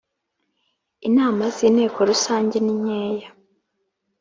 inama z ‘Inteko Rusange ninkeya.